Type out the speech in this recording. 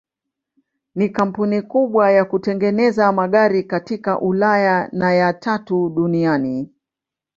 Ni kampuni kubwa ya kutengeneza magari katika Ulaya na ya tatu duniani.